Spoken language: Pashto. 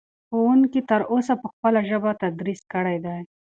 ښوونکي تر اوسه په خپله ژبه تدریس کړی دی.